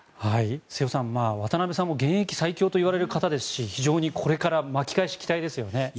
瀬尾さん、渡辺さんも現役最強といわれる方ですし非常にこれから巻き返しに期待ですよね。